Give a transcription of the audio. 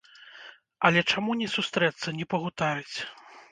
Але чаму не сустрэцца, не пагутарыць.